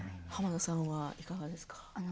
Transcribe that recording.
濱田さんはいかがですか。